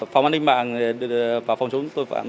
phòng an ninh mạng và phòng chống tội phạm